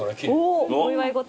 おお祝い事。